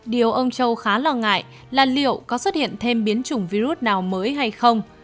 điều ông châu khá lo ngại là liệu có xuất hiện thêm biến chủng virus nào mới hay không